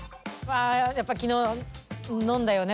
やっぱ昨日飲んだよね